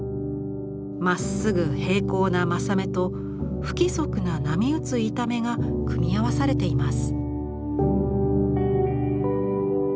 まっすぐ平行な柾目と不規則な波うつ板目が組み合わされています。